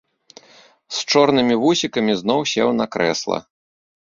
З чорнымі вусікамі зноў сеў на крэсла.